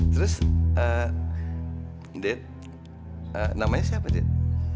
terus dit namanya siapa dit